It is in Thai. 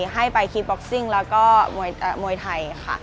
ให้ไปคีย์บ็อกซิ่งแล้วก็มวยไทยค่ะ